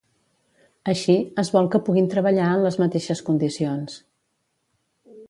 Així, es vol que puguin treballar en les mateixes condicions.